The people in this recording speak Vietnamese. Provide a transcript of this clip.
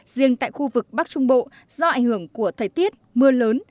riêng tại khu vực bắc trung bộ do ảnh hưởng của thời tiết mưa lớn